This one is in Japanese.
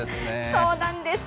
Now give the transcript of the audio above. そうなんです。